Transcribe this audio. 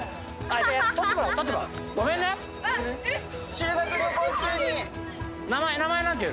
修学旅行中に。